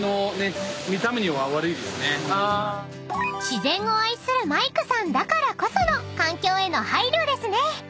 ［自然を愛するマイクさんだからこその環境への配慮ですね］